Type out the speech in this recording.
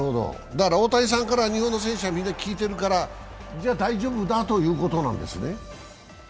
大谷さんから日本の選手はみんな聞いてるから、じゃあ、大丈夫だということなんですね。